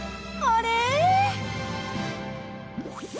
あれ！？